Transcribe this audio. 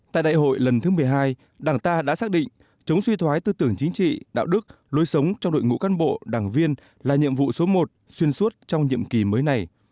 tại đại hội lần thứ một mươi hai đảng ta đã xác định chống suy thoái tư tưởng chính trị đạo đức lối sống trong đội ngũ cán bộ đảng viên là nhiệm vụ số một xuyên suốt trong nhiệm kỳ mới này